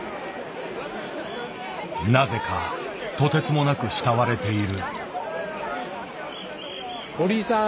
なぜかとてつもなく慕われている。